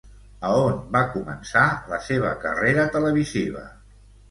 A on va començar la seva carrera televisiva?